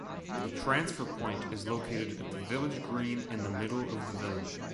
The transfer point is located at the village green in the middle of the village.